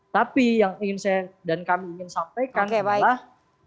tapi yang ingin saya dan kami ingin sampaikan adalah